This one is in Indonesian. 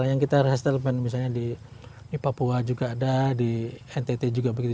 yang kita resettlement misalnya di papua juga ada di ntt juga begitu